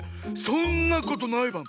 そんなことないバン。